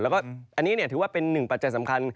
แล้วก็อันนี้ถือว่าเป็นหนึ่งปัจจัยสำคัญ